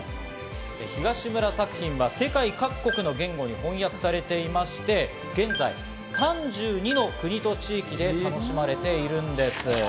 東村作品は世界各国の言語に翻訳されていまして現在３２の国と地域で楽しまれているんです。